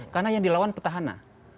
karena yang dilawan petahana